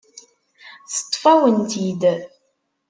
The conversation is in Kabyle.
Teṭṭef-awen-tt-id.